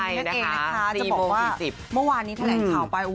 จะบอกว่าเมื่อวานนี้แถลงข่าวไป